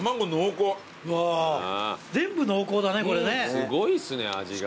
すごいっすね味が。